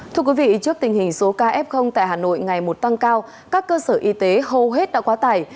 thưa quý vị trước tình hình số ca f tại hà nội ngày một tăng cao các cơ sở y tế hầu hết đã quá tải